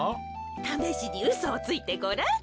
ためしにうそをついてごらん。